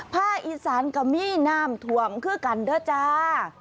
ภาคอีสานกับมีน้ำถวมคือกันนะจ้า